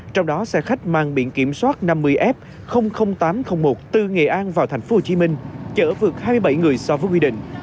trong đó xe khách mang biển kiểm soát năm mươi f tám trăm linh một từ nghệ an vào thành phố hồ chí minh chở vượt hai mươi bảy người so với quy định